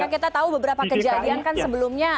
karena kita tahu beberapa kejadian kan sebelumnya